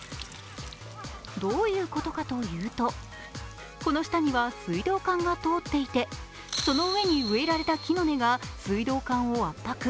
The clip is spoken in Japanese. どういうことかというとこの下には水道管が通っていてその上に植えられた木の根が水道管を圧迫。